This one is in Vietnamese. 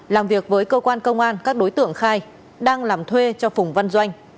làm việc với cơ quan công an các đối tượng khai đang làm thuê cho phùng văn doanh